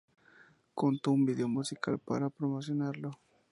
Contó con un vídeo musical para promocionarlo.